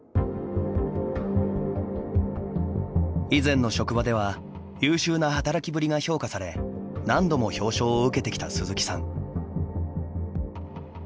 以前の職場では優秀な働きぶりが評価され何度も表彰を受けてきた鈴木さん。